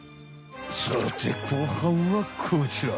さて後半はこちら。